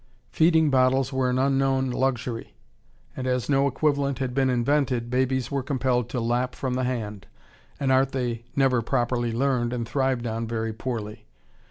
Feeding bottles were an unknown luxury, and, as no equivalent had been invented, babies were compelled to lap from the hand, an art they never properly learned and thrived on very poorly.